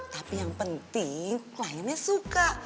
tapi yang penting kliennya suka